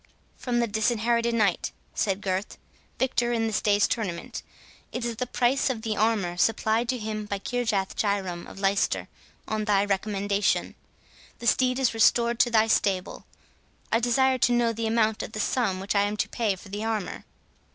"From the Disinherited Knight," said Gurth, "victor in this day's tournament. It is the price of the armour supplied to him by Kirjath Jairam of Leicester, on thy recommendation. The steed is restored to thy stable. I desire to know the amount of the sum which I am to pay for the armour."